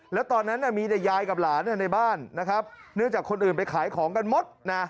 แล้วตอนนั้นมีแต่ยายกับหลานในบ้านนะครับเนื่องจากคนอื่นไปขายของกันหมดนะ